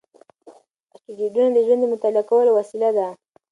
اسټروېډونه د ژوند د مطالعه کولو وسیله دي.